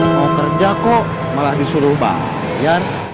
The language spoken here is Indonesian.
mau kerja kok malah disuruh bayar